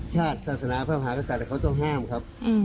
ชาติศาสนาพระมหากษัตริย์เขาต้องห้ามครับ